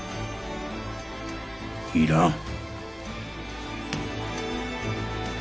いらん。